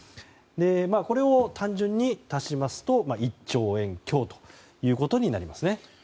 これを単純に足しますと１兆円強ということになりますね。